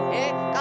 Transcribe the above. aku gak tau